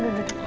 ini ada sana